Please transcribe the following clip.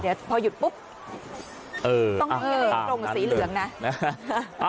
ต้องมีเงินตรงสีเหลืองนะ